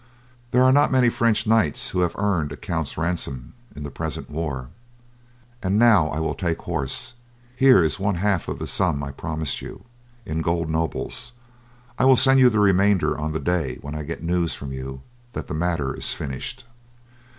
There are not many French knights who have earned a count's ransom in the present war. And now I will take horse; here is one half of the sum I promised you, in gold nobles. I will send you the remainder on the day when I get news from you that the matter is finished."